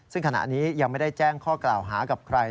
ซึ่งขณะนี้ยังไม่ได้แจ้งข้อกล่าวหากับใคร